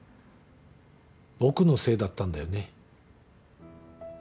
僕のせいだったんだよね。